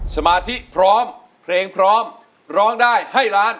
สมาธิพร้อมเพลงพร้อมร้องได้ให้ล้าน